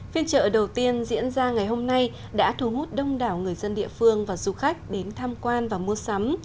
phiên trợ đầu tiên diễn ra ngày hôm nay đã thu hút đông đảo người dân địa phương và du khách đến tham quan và mua sắm